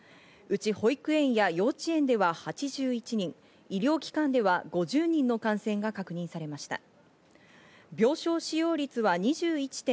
うち保育園や幼稚園では８１人、医療機関では５０人の感染が確認されました。